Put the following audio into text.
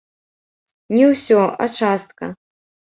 Не ўсё, а частка.